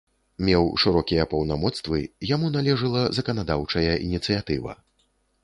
Меў шырокія паўнамоцтвы, яму належыла заканадаўчая ініцыятыва.